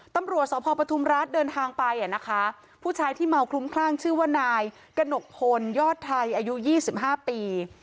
ตำรวจสพปทุมรัฐเดินทางไปนะคะผู้ชายที่เมาคลุ้มคลั่งชื่อว่านายกระหนกพลยอดไทยอายุ๒๕ปี